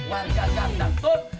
warga ganteng tut